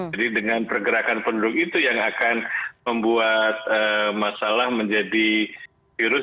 jadi dengan pergerakan penduduk itu yang akan membuat masalah menjadi virus